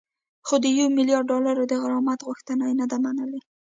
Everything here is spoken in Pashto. خو د یو میلیارد ډالرو د غرامت غوښتنه یې نه ده منلې